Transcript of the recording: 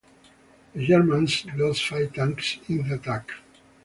The Germans lost five tanks in the attack.